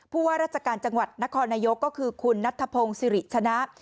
ว่าราชการจังหวัดนครนายกก็คือคุณนัทพงศ์สิริชนะ